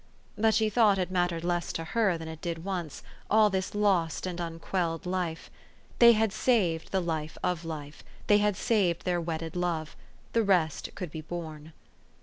But she thought it mattered less to her than it did once, all this lost and unquelled life. They had saved the life of life, they had saved their wed ded love : the rest could be borne.